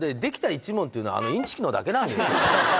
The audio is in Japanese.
１問っていうのはあのインチキのだけなんですよ。